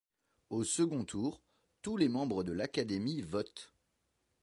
Au second tour, tous les membres de l'Academy votent.